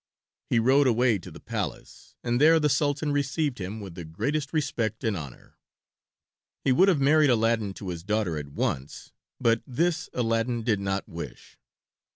He rode away to the palace, and there the Sultan received him with the greatest respect and honor. He would have married Aladdin to his daughter at once, but this Aladdin did not wish.